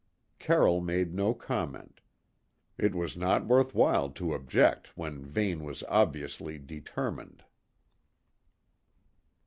Carroll made no comment. It was not worthwhile to object when Vane was obviously determined.